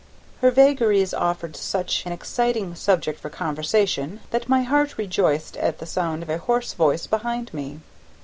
Her vagaries offered such an exciting subject for conversation that my heart rejoiced at the sound of a hoarse voice behind me.